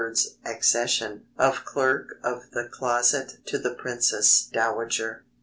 's accession) of Clerk of the Closet to the Princess Dowager.